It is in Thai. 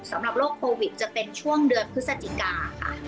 สำหรับโรคโควิดจะเป็นช่วงเดือนพฤศจิกาค่ะ